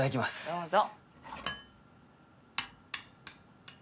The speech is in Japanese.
どうぞ。